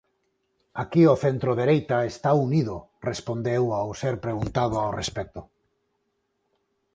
Aquí o centro dereita está unido, respondeu ao ser preguntado ao respecto.